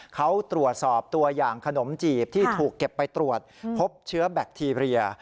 เขาตรวจสอบตัวอย่างขนมจีบที่ถูกเก็บไปตรวจพบเชื้อแบคทีเรีย